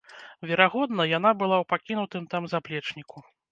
Верагодна, яна была ў пакінутым там заплечніку.